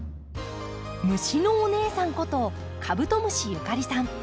虫のお姉さんことカブトムシゆかりさん。